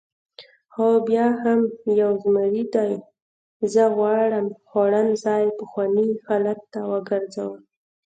خو بیا هم یو زمري دی، زه غواړم خوړنځای پخواني حالت ته وګرځوم.